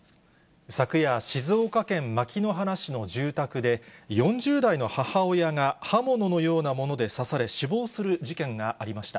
昨夜、静岡県牧之原市の住宅で、４０代の母親が刃物のようなもので刺され死亡する事件がありました。